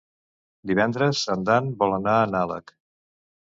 Divendres en Dan vol anar a Nalec.